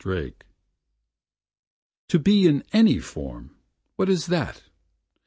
27 To be in any form, what is that?